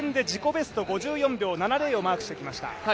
ベスト５４秒７０をマークしてきました。